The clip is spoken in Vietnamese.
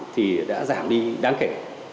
thì đã giảm đi đáng kể